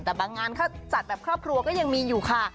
แต่บางงานเขาจัดแบบครอบครัวก็ยังมีอยู่ค่ะ